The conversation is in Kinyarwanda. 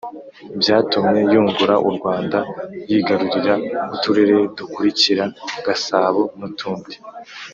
byatumye yungura u rwanda yigarurira uturere dukurikira: gasabo nutundi